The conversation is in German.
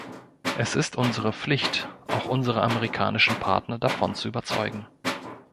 Es ist unsere Pflicht, auch unsere amerikanischen Partner davon zu überzeugen.